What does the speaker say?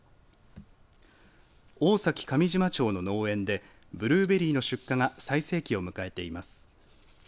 大崎上島町の農園でブルーベリーの出荷が最盛期を迎えています。